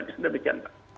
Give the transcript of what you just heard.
dan demikian pak